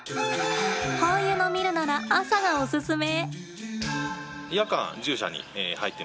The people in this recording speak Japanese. ハイエナ見るなら朝がおすすめ！